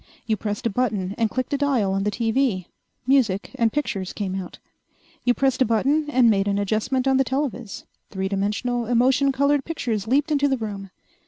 You pressed a button and clicked a dial on the TV; music and pictures came out. You pressed a button and made an adjustment on the telovis; three dimensional, emotion colored pictures leaped into the room.